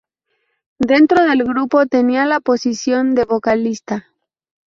Dentro del grupo tenía la posición de vocalista.